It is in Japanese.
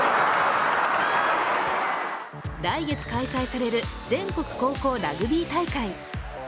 来月開催される全国高校ラグビー大会。